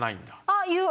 ああ言う。